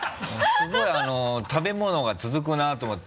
すごい食べ物が続くなと思って。